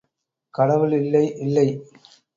கடவுள் இல்லை, இல்லை.